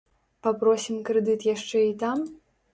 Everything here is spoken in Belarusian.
Папросім крэдыт яшчэ і там?